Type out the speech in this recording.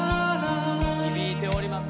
響いております。